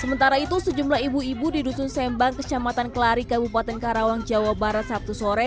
sementara itu sejumlah ibu ibu di dusun sembang kecamatan kelari kabupaten karawang jawa barat sabtu sore